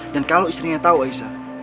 dan kalau istrinya tahu aisyah